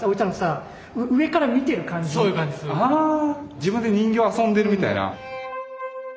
自分で人形遊んでるみたいな。